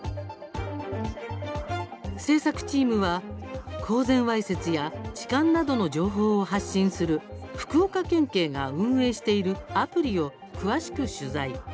制作チームは、公然わいせつや痴漢などの情報を発信する福岡県警が運営しているアプリを詳しく取材。